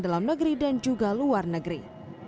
dalam negeri dan juga luar negeri